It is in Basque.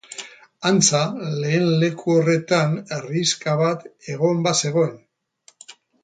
Antza, lehen leku horretan herrixka bat egon bazegoen.